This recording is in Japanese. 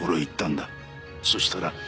そしたら。